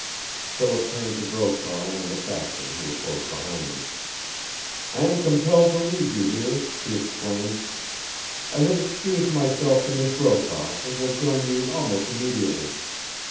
Philip turned to Brokaw and the factor, who were close behind them. "I am compelled to leave you here," he explained. "I have excused myself to Miss Brokaw, and will rejoin you almost immediately."